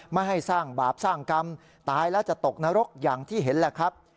ไม่ให้สร้างบาปสร้างกรรมตายแล้วจะตกนรกอย่างที่เห็นแหละครับ